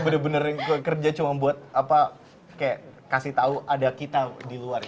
bener bener kerja cuma buat apa kayak kasih tau ada kita di luar